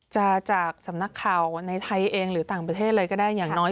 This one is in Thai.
จากสำนักข่าวในไทยเองหรือต่างประเทศเลยก็ได้อย่างน้อย